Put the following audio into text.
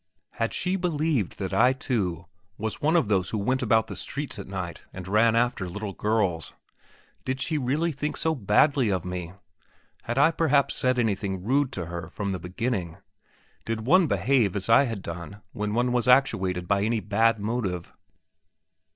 Had she then believed that I, too, was one of those who went about the street at night and ran after little girls? Did she really think so badly of me? Had I perhaps said anything rude to her from the beginning? Did one behave as I had done when one was actuated by any bad motive?